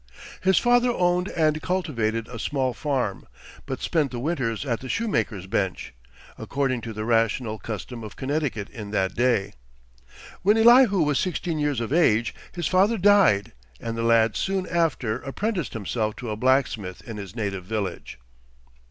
His father owned and cultivated a small farm; but spent the winters at the shoemaker's bench, according to the rational custom of Connecticut in that day. When Elihu was sixteen years of age, his father died and the lad soon after apprenticed himself to a blacksmith in his native village.